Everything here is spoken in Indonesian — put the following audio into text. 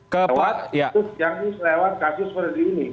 lewat kasus seperti ini